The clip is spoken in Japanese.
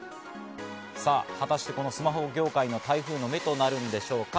果たしてこのスマホ、業界の台風の目となるのでしょうか？